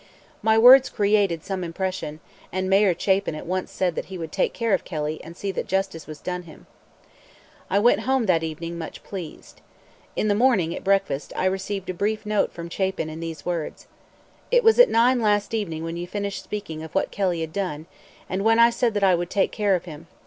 My words created some impression, and Mayor Chapin at once said that he would take care of Kelly and see that justice was done him. I went home that evening much pleased. In the morning, at breakfast, I received a brief note from Chapin in these words: "It was nine last evening when you finished speaking of what Kelly had done, and when I said that I would take care of him.